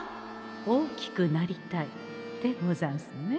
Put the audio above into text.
「大きくなりたい」でござんすね。